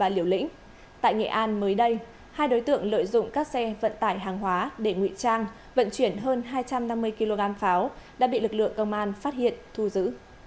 tại nghệ an mới đây hai đối tượng lợi dụng các xe vận tải hàng hóa để ngụy trang vận chuyển hơn hai trăm năm mươi kg pháo đã bị lực lượng công an phát hiện thu giữ